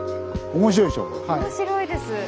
面白いです。